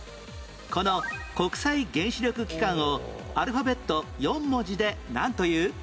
この国際原子力機関をアルファベット４文字でなんという？